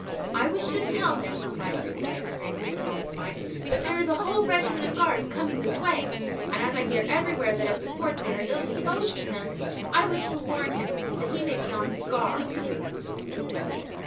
"I wish to tell him," replied Friquet, screaming with all his might, "that there is a whole regiment of guards coming this way. And as I hear everywhere that at the court they are ill disposed to him, I wish to warn him, that he may be on his guard."